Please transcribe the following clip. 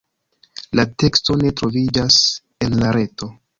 La teksto ne troviĝas en la reto.